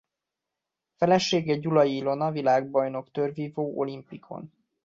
Felesége Gyulai Ilona világbajnok tőrvívó olimpikon.